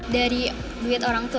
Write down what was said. dari duit orang tua